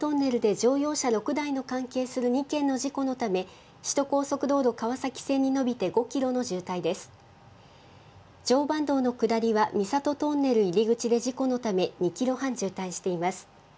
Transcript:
常磐道の下りは三郷トンネル入り口で事故のため２キロ半渋滞しています。